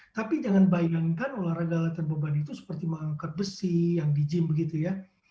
tapi jangan bayangkan olahraga terbeban itu seperti mengangkat besi yang di gym begitu ya